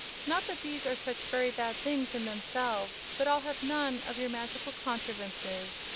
Not that these are such very bad things in themselves, but I'll have none of your magical contrivances.